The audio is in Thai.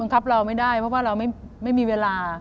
ครับเราไม่ได้เพราะว่าเราไม่มีเวลา